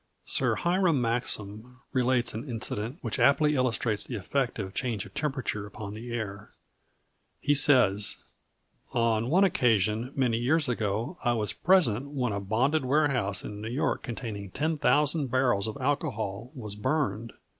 Sir Hiram Maxim relates an incident which aptly illustrates the effect of change of temperature upon the air. He says: "On one occasion, many years ago, I was present when a bonded warehouse in New York containing 10,000 barrels of alcohol was burned....